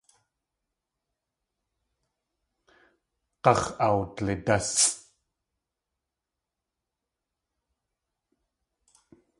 G̲áx̲ awdlidásʼ.